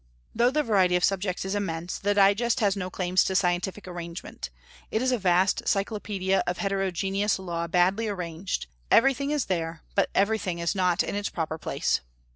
Though the variety of subjects is immense, the Digest has no claims to scientific arrangement. It is a vast cyclopedia of heterogeneous law badly arranged; everything is there, but everything is not in its proper place."